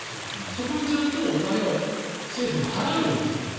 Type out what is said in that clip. そこにちゃんとお金を政府が払うようにすると。